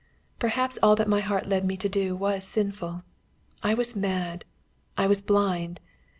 "Perhaps all that my heart led me to do was sinful. I was mad. I was blind.